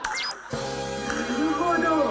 なるほど。